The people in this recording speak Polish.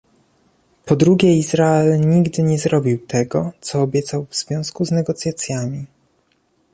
Po drugie Izrael nigdy nie zrobił tego, co obiecał w związku z negocjacjami